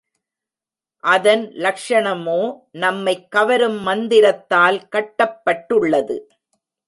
அதன் லக்ஷணமோ நம்மைக் கவரும் மந்திரத்தால் கட்டப்பட்டுள்ளது.